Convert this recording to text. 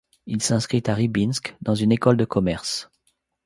Il s’inscrit à Rybinsk dans une école de commerce.